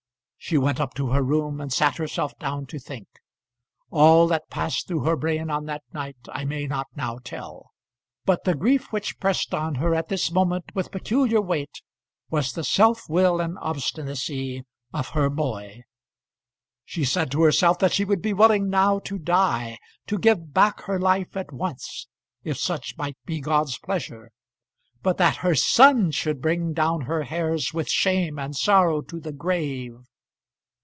She went up to her room and sat herself down to think. All that passed through her brain on that night I may not now tell; but the grief which pressed on her at this moment with peculiar weight was the self will and obstinacy of her boy. She said to herself that she would be willing now to die, to give back her life at once, if such might be God's pleasure; but that her son should bring down her hairs with shame and sorrow to the grave